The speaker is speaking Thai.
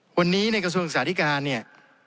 วันนี้ในกระทรวงศึกษาธิการเนี่ย